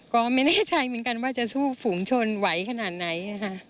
ก็ไม่แน่ใจเหมือนกันว่าจะสู้ฝูงชนไหวขนาดไหน